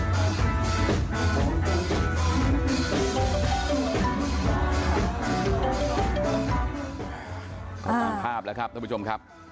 ก็ตามภาพแล้วครับท่านผู้ชมครับ